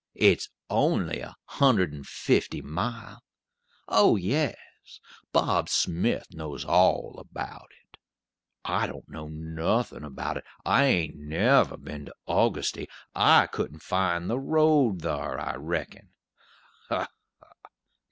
It's only a hundred and fifty mile. Oh, yes, Bob Smith knows all about it! I don't know nothin' about it! I ain't never been to Augusty I couldn't find the road thar, I reckon ha, ha!